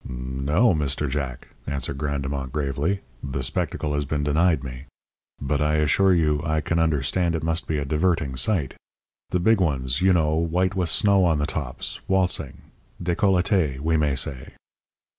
"No, Mr. Jack," answered Grandemont, gravely, "the spectacle has been denied me. But, I assure you, I can understand it must be a diverting sight. The big ones, you know, white with snow on the tops, waltzing décolleté, we may say."